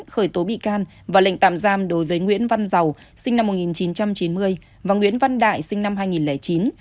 khởi tố bị can và lệnh tạm giam đối với nguyễn văn giàu sinh năm một nghìn chín trăm chín mươi và nguyễn văn đại sinh năm hai nghìn chín